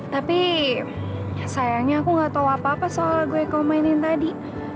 tapi sayangnya aku gak tau apa apa soal lagu yang kamu mainin tadi